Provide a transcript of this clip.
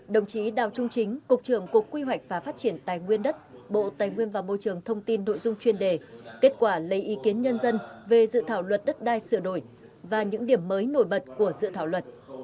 đồng chí đào trung chính cục trưởng cục quy hoạch và phát triển tài nguyên đất bộ tài nguyên và môi trường thông tin nội dung chuyên đề kết quả lấy ý kiến nhân dân về dự thảo luật đất đai sửa đổi và những điểm mới nổi bật của dự thảo luật